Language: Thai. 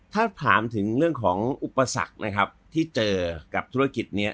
ถ้าถามถึงเรื่องของอุปสรรคนะครับที่เจอกับธุรกิจนี้